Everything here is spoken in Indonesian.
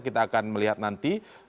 kita akan melihat nanti